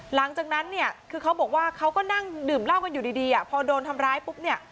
หลังจากนั้นเนี่ยคือเขาบอกว่าเขาก็นั่งดื่มเหล้ากันอยู่ดีพอโดนทำร้ายปุ๊บเนี่ย